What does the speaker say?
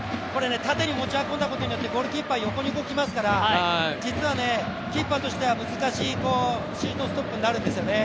縦に持ち運んだことでゴールキーパー、横に動きますから、実はキーパーとしては難しいシュートストップになるんですよね。